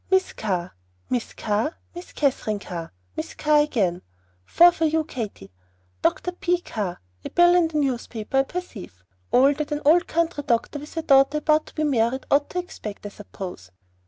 "Miss Carr Miss Carr Miss Katherine Carr Miss Carr again; four for you, Katy. Dr. P. Carr, a bill and a newspaper, I perceive; all that an old country doctor with a daughter about to be married ought to expect, I suppose.